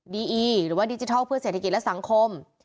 อีหรือว่าดิจิทัลเพื่อเศรษฐกิจและสังคม